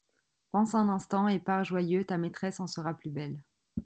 Pense un instant et pars joyeux, Ta maîtresse en sera plus belle.